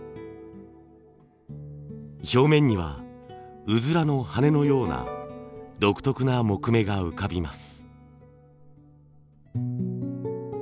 表面にはうずらの羽のような独特な木目が浮かびます。